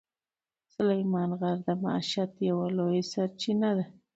سلیمان غر د معیشت یوه لویه سرچینه ده.